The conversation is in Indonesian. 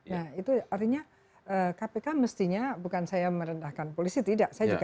nah itu artinya kpk mestinya bukan saya merendahkan polisi tidak